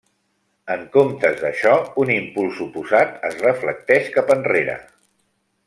En comptes d'això, un impuls oposat es reflecteix cap enrere.